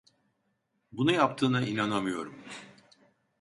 Bunu yaptığına inanamıyorum.